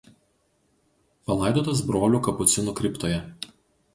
Palaidotas brolių kapucinų kriptoje.